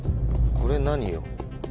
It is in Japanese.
これ何よ？